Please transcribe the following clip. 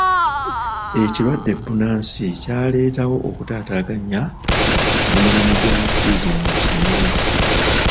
Ekirwadde bbunansi kyaleetawo okutaataaganya mu mirimu gya bizinensi nnyingi.